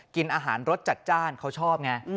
กินอาหารรสจัดจ้านเขาชอบไง